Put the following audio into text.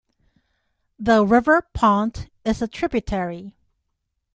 The River Pont is a tributary.